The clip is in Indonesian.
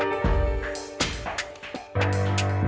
beb kita tuh mau kemana sih